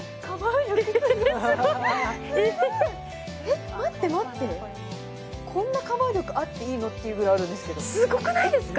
えっ待って待ってこんなカバー力あっていいのっていうぐらいあるんですけどすごくないですか？